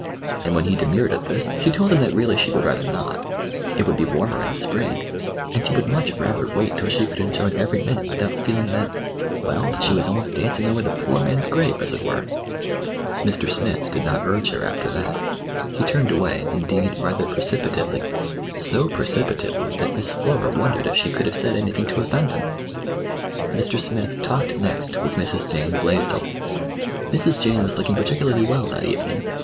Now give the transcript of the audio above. And when he demurred at this, she told him that really she would rather not. It would be warmer in the spring, and she would much rather wait till she could enjoy every minute without feeling that—well, that she was almost dancing over the poor man's grave, as it were. Mr. Smith did not urge her after that. He turned away, indeed, rather precipitately—so precipitately that Miss Flora wondered if she could have said anything to offend him. Mr. Smith talked next with Mrs. Jane Blaisdell. Mrs. Jane was looking particularly well that evening.